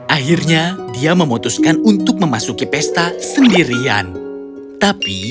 akhirnya dia memutuskan untuk memasuki pesta sendirian tapi